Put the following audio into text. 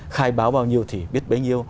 khai báo bao nhiêu thì biết bấy nhiêu